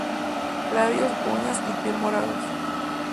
Labios, uñas y piel morados.